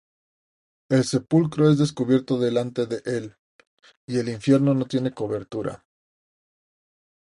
El sepulcro es descubierto delante de él, Y el infierno no tiene cobertura.